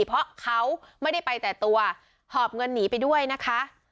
เพราะเขาไม่ได้ไปแต่ตัวหอบเงินหนีไปด้วยนะคะ